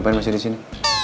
ngapain masih disini